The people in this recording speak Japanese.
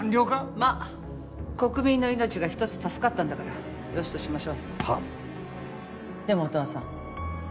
まあ国民の命が一つ助かったんだからよしとしましょうはっでも音羽さん